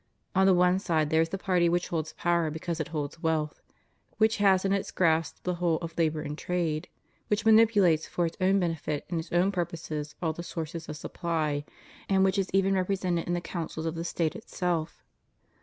On the one side there is the party which holds power because it holds wealth; which has in its grasp the whole of labor and trade; which manipulates for its own benefit and its own purposes all the sources of supply, and which is even represented in the councils of the State itself.